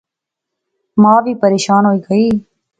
ما وی پریشان ہوئی گئی